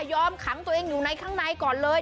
ขังตัวเองอยู่ในข้างในก่อนเลย